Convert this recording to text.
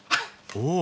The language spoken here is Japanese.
お！